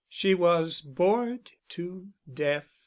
She was bored to death.